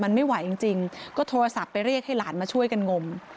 มันไม่ไหวจริงก็โทรศัพท์ไปเรียกให้หลานมาช่วยกันงม